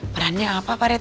perannya apa pak rt